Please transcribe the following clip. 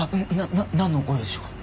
ななんのご用でしょうか？